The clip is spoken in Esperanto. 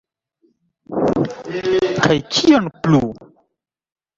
Kaj kion plu?